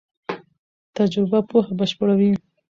تجربه پوهه بشپړوي.